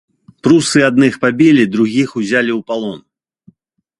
Прусы адных пабілі, другіх узялі ў палон.